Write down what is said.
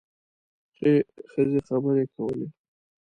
ښځې خبرې کولې.